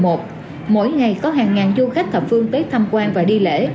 mỗi ngày có hàng ngàn du khách thập phương tới tham quan và đi lễ